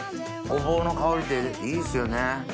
ゴボウの香りっていいですよね。